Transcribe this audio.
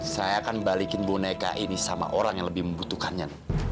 saya akan balikin boneka ini sama orang yang lebih membutuhkannya